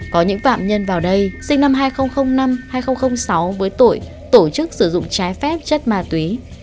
có những phạm nhân vào đây sinh năm hai nghìn năm hai nghìn sáu với tội tổ chức sử dụng trái phép chất ma túy